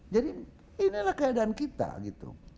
jadi inilah keadaan kita gitu